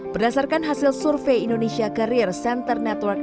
berdasarkan hasil survei indonesia carrier center network